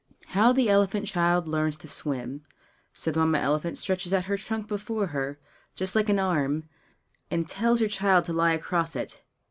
How the Elephant Child Learns to Swim So the Mamma elephant stretches out her trunk before her, just like an arm, and tells her child to lie across it.